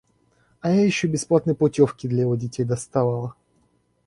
А я еще бесплатные путевки для его детей доставала!